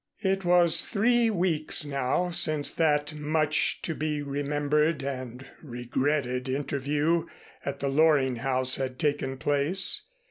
It was three weeks now since that much to be remembered and regretted interview at the Loring house had taken place.